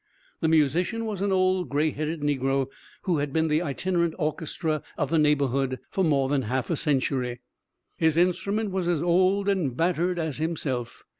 The musician was an old gray headed negro, who had been the itinerant orchestra of the neighborhood for more than half a century. His instrument was as old and battered as himself.